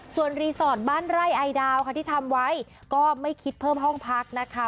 ส่วนรีสอร์ทบ้านไร่ไอดาวค่ะที่ทำไว้ก็ไม่คิดเพิ่มห้องพักนะคะ